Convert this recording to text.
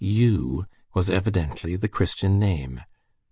U was evidently the Christian name.